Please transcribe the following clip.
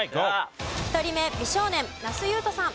１人目美少年那須雄登さん。